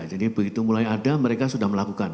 jadi begitu mulai ada mereka sudah melakukan